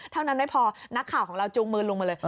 เท่านั้นไม่พอนักข่าวของเราจูงมือลุงมาเลย